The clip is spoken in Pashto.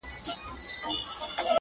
د سترگو هره ائينه کي مي جلا ياري ده.